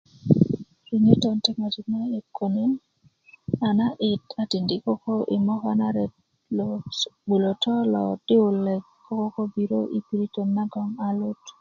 riŋitö ti ŋojik na'yi'yik a na'di'dik a tindi koko i moka na ret lo 'bulötö di wulek koko biriö i piritön nagon a lut